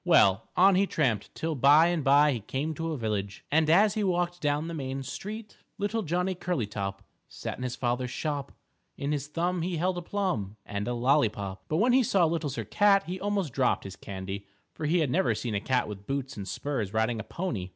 Well, on he tramped till by and by he came to a village, and as he walked down the main street Little Johnny Curlytop Sat in his father's shop. In his thumb he held a plum And a lollypop. But when he saw Little Sir Cat, he almost dropped his candy, for he had never seen a cat with boots and spurs riding on a pony.